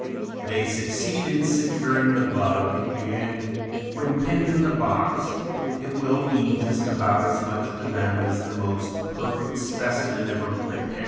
They succeed in securing the "bug" and when pinned in the box it will mean just about as much to them as the most perfect specimen ever prepared.